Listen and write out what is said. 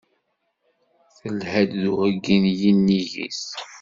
Telha-d d uheggi n yinig-is.